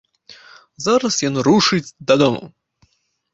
Зараз ён рушыць дадому!